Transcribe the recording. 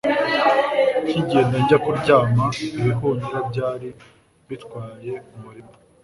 Nkigenda njya kuryama ibihunyira byari bitwaye umurima,